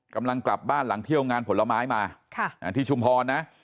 กำลังกลับบ้านหลังเที่ยวงานผลไม้มาที่ชุมพรนะ